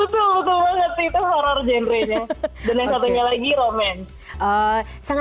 betul betul banget sih itu horror genre nya dan yang satunya lagi romance